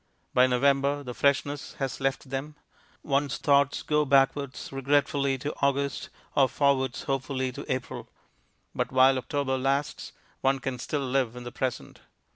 By November the freshness has left them; one's thoughts go backwards regretfully to August or forwards hopefully to April; but while October lasts, one can still live in the present.